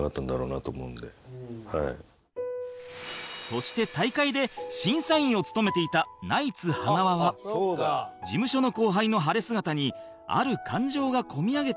そして大会で審査員を務めていたナイツ塙は事務所の後輩の晴れ姿にある感情が込み上げていたそうで